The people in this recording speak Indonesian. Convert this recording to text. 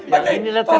yang ini liat setan